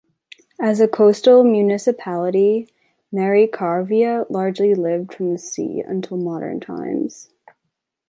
As a coastal municipality, Merikarvia largely lived from the sea until modern times.